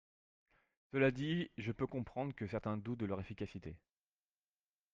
Cela dit, je peux comprendre que certains doutent de leur efficacité.